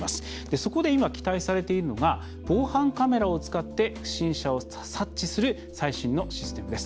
そこで今、期待されているのが防犯カメラを使って不審者を察知する最新のシステムです。